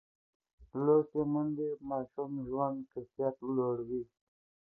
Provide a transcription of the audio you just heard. لوستې میندې د ماشوم د ژوند کیفیت لوړوي.